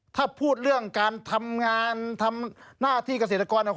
ถ้าพูดเรื่องการทำงานทำหน้าที่เกษตรกร